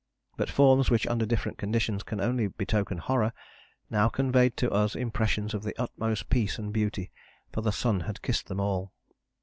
But forms which under different conditions can only betoken horror now conveyed to us impressions of the utmost peace and beauty, for the sun had kissed them all.